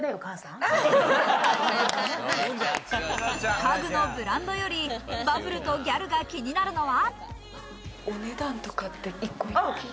家具のブランドよりバブルとギャルが気になるのは。